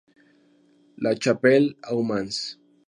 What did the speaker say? La Chapelle-au-Mans